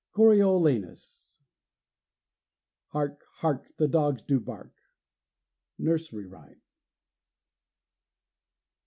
CORIOLANUS. "Hark! hark! the dogs do bark." NURSERY RHYME.